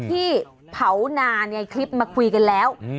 ที่เผานาเนี้ยคลิปมาคุยกันแล้วอืม